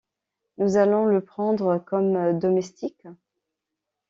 Nous allons le prendre comme domestique?